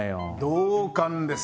同感です